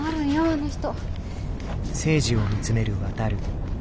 あの人。